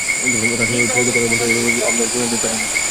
তার সাথে কথা বলতে বলতে এভাবে গেলে আমার পরিণতিও তার মতোই হতো।